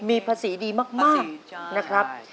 มีภาษีดีมากนะครับ